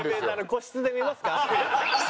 個室で見ますか？